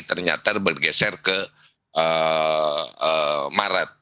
ternyata bergeser ke maret